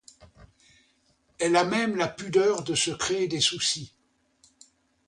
Elle a même la pudeur de se créer des soucis.